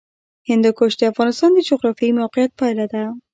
هندوکش د افغانستان د جغرافیایي موقیعت پایله ده.